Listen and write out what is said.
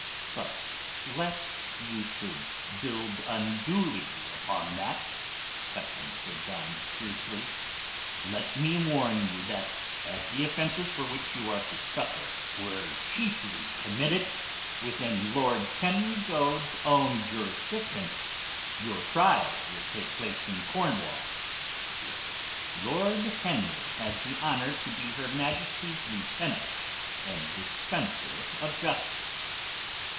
"But lest you should build unduly upon that," cut in Sir John fiercely, "let me warn you that as the offences for which you are to suffer were chiefly committed within Lord Henry Goade's own jurisdiction, your trial will take place in Cornwall, where Lord Henry has the honour to be Her Majesty's Lieutenant and dispenser of justice."